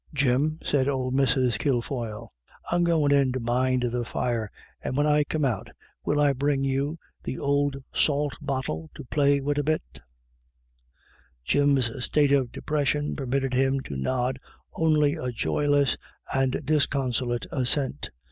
Jim," said old Mrs. Kilfoyle, " I'm goin' in to mind the fire, and when I come out, will I bring you the ould salt bottle to play wid a bit ?" 23o IRISH IDYLLS. Jim's state of depression permitted him to nod only a joyless and disconsolate assent.